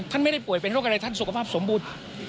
ท่านไม่ได้ป่วยเป็นโรคอะไรท่านสุขภาพสมบูรณ์